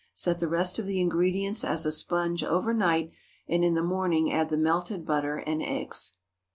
Set the rest of the ingredients as a sponge over night, and in the morning add the melted butter and eggs.